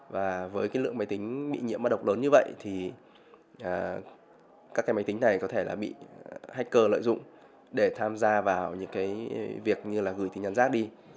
và với cái lượng máy tính bị nhiễm mã độc lớn như vậy thì các cái máy tính này có thể là bị hacker lợi dụng để tham gia vào những cái việc như là gửi tin nhắn rác đi